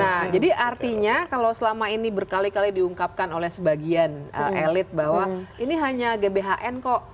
nah jadi artinya kalau selama ini berkali kali diungkapkan oleh sebagian elit bahwa ini hanya gbhn kok